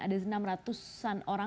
ada enam ratusan orang